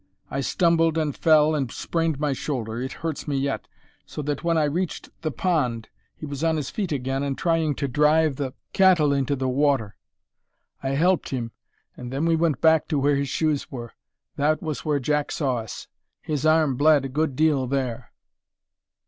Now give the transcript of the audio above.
I stumbled and fell and sprained my shoulder it hurts me yet so that when I reached the pond he was on his feet again and trying to drive the cattle into the water. I helped him and then we went back to where his shoes were. That was where Jack saw us. His arm bled a good deal there."